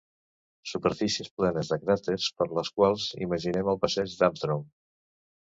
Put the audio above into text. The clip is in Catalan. Superfícies plenes de cràters per les quals imaginem el passeig d'Armstrong.